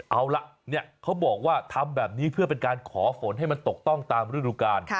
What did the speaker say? เอาล่ะเขาบอกว่าทำแบบนี้เพื่อเป็นการขอฝนให้มันตกต้องตามฤดูกาล